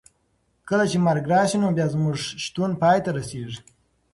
کله چې مرګ راشي نو بیا زموږ شتون پای ته رسېږي.